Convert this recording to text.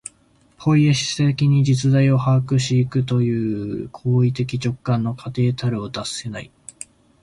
ポイエシス的に実在を把握し行くという行為的直観の過程たるを脱せない。